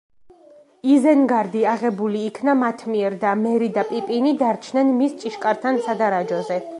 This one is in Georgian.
იზენგარდი აღებული იქნა მათ მიერ და მერი და პიპინი დარჩნენ მის ჭიშკართან, სადარაჯოზე.